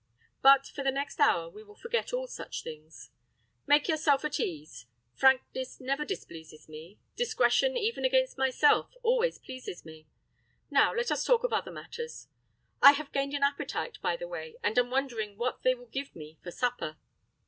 But for the next hour we will forget all such things. Make yourself at ease: frankness never displeases me: discretion, even against myself, always pleases me. Now let us talk of other matters. I have gained an appetite, by the way, and am wondering what they will give me for supper.